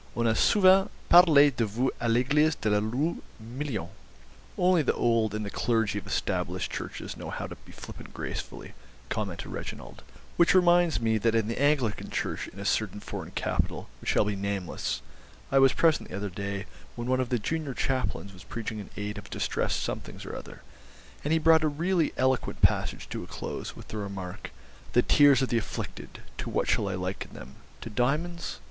On a souvent parlé de vous à l'église de la rue Million.'" "Only the old and the clergy of Established churches know how to be flippant gracefully," commented Reginald; "which reminds me that in the Anglican Church in a certain foreign capital, which shall be nameless, I was present the other day when one of the junior chaplains was preaching in aid of distressed somethings or other, and he brought a really eloquent passage to a close with the remark, 'The tears of the afflicted, to what shall I liken them—to diamonds?